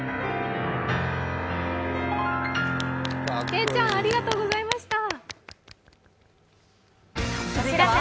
けいちゃんありがとうございました。